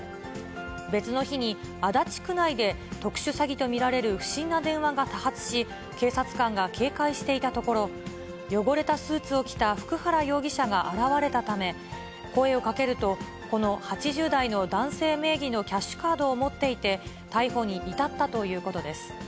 別の日に、足立区内で特殊詐欺と見られる不審な電話が多発し、警察官が警戒していたところ、汚れたスーツを着た普久原容疑者が現れたため、声をかけると、この８０代の男性名義のキャッシュカードを持っていて、逮捕に至ったということです。